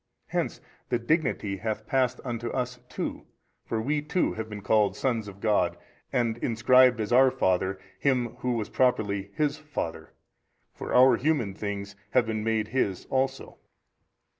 Hence the dignity hath passed unto us too: for WE too have been called sons of God and inscribed as our Father Him Who is properly His Father; for our human things have been made His also.